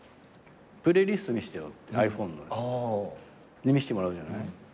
プレイリスト見してよってｉＰｈｏｎｅの。で見してもらうじゃない。